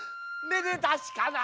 めでたしかな。